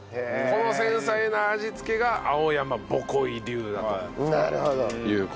この繊細な味付けが青山ぼこい流だという事でございます。